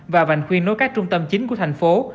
và vành khuyên nối các trung tâm chính của thành phố